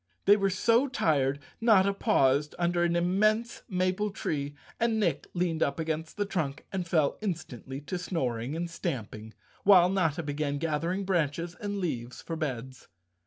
They were so tired Notta paused under an immense maple tree and Nick leaned up against the trunk and fell instantly to snoring and stamping, while Notta began gathering branches and leaves for beds.